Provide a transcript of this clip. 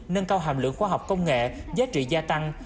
nâng cao hàm lượng khoa học công nghệ giá trị gia tăng